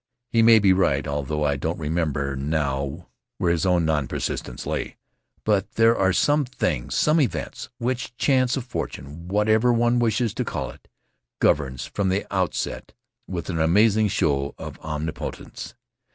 He may be right, although I don't remember now where his own nonpersistence lay. But there are some things, some events, which chance or fortune — whatever one wishes to call it — governs from the outset with an amazing show of omnipotence.